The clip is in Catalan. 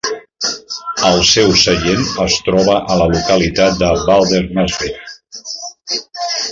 El seu seient es troba a la localitat de Valdemarsvik.